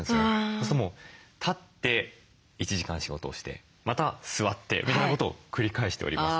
そうすると立って１時間仕事をしてまた座ってみたいなことを繰り返しております。